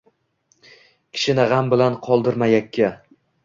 Kishini g‘am bilan qoldirma yakka